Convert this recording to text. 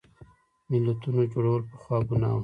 ملتونو جوړول پخوا ګناه وه.